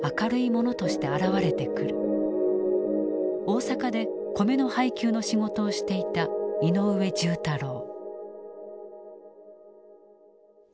大阪で米の配給の仕事をしていた井上重太郎。